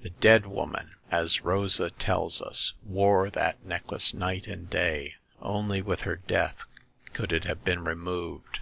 The dead woman, as Rosa tells us, wore that necklace night and day. Only with her death could it have been removed.